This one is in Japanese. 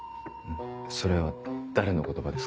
それは誰の言葉ですか？